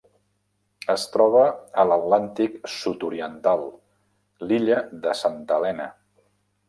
Es troba a l'Atlàntic sud-oriental: l'illa de Santa Helena.